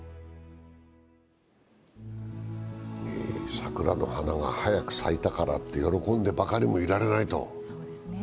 桜の花が早く咲いたからといって喜んでばかりはいられない。